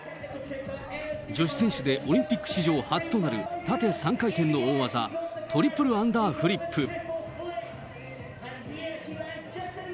女子選手でオリンピック史上初となる、縦３回転の大技、トリプルアンダーフリップ。